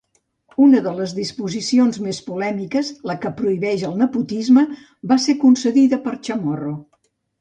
Una de les disposicions més polèmiques, la que prohibeix el nepotisme, va ser concedida per Chamorro.